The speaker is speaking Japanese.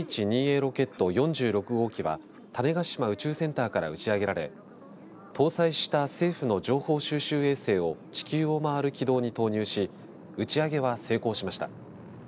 ロケット４６号機は種子島宇宙センターから打ち上げられ搭載した政府の情報収集衛星を地球を回る軌道に投入し打ち上げは成功しました。